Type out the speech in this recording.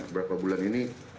berapa bulan ini